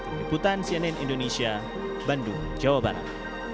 meliputan cnn indonesia bandung jawa barat